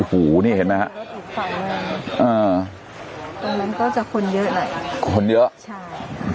หูนี่เห็นไหมฮะอ่าตรงนั้นก็จะคนเยอะแหละคนเยอะใช่